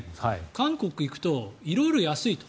韓国に行くと色々安いと。